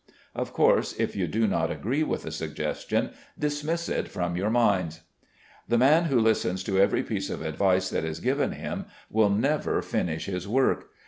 Of course, if you do not agree with the suggestion, dismiss it from your minds. The man who listens to every piece of advice that is given him will never finish his work.